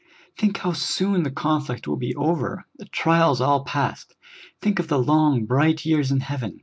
Think how soon the conflict will be over, the trials all past ! think of the long, bright years in heaven